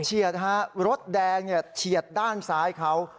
เฉียดฮะรถแดงเฉียดด้านซ้าขาว